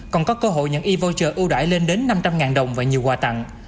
còn có cơ hội nhận e voucher ưu đoại lên đến năm trăm linh đồng và nhiều quà tặng